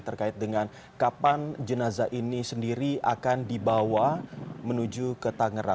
terkait dengan kapan jenazah ini sendiri akan dibawa menuju ke tangerang